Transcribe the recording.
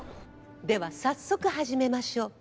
では早速始めましょう。